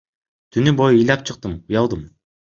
Түнү бою ыйлап чыктым, уялдым.